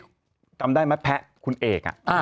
จำได้ไหมแพะคุณเอก